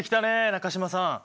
中島さん！